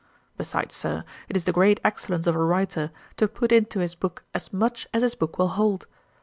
Besides, Sir, it is the great excellence of a writer to put into his book as much as his book will hold.